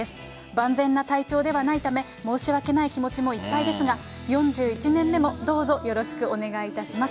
万全な体調ではないため、申し訳ない気持ちもいっぱいですが、４１年目もどうぞよろしくお願いいたします。